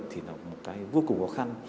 thì là một cái vô cùng khó khăn